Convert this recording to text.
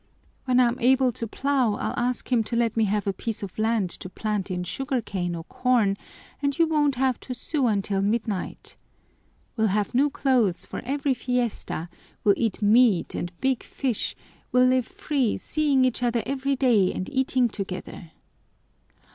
When I'm able to plow, I'll ask him to let me have a piece of land to plant in sugar cane or corn and you won't have to sew until midnight. We'll have new clothes for every fiesta, we'll eat meat and big fish, we'll live free, seeing each other every day and eating together.